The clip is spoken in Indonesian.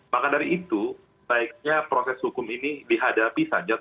maka dari itu baiknya proses hukum ini dihadapi saja